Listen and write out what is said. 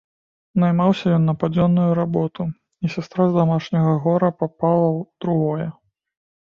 Наймаўся ён на падзённую работу, і сястра з дамашняга гора папала ў другое.